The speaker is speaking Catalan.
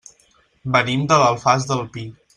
Venim de l'Alfàs del Pi.